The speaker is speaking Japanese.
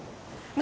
何？